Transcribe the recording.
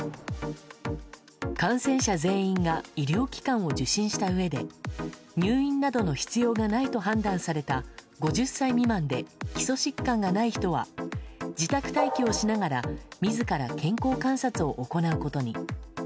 感染者全員が医療機関を受診したうえで入院などの必要がないと判断された５０歳未満で基礎疾患がない人は自宅待機をしながら自ら健康観察を行うことに。